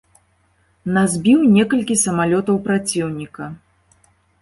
На збіў некалькі самалётаў праціўніка.